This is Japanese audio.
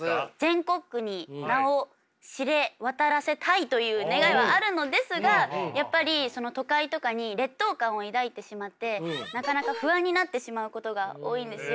全国区に名を知れ渡らせたいという願いはあるのですがやっぱりその都会とかに劣等感を抱いてしまってなかなか不安になってしまうことが多いんですよ。